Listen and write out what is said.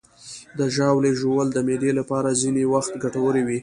د ژاولې ژوول د معدې لپاره ځینې وخت ګټور وي.